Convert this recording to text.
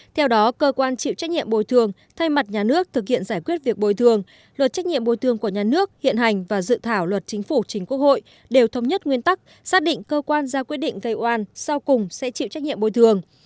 theo đó cơ quan chịu trách nhiệm bồi thường thay mặt nhà nước thực hiện giải quyết việc bồi thường luật trách nhiệm bồi thường của nhà nước hiện hành và dự thảo luật chính phủ chính quốc hội đều thống nhất nguyên tắc xác định cơ quan ra quyết định gây oan sau cùng sẽ chịu trách nhiệm bồi thường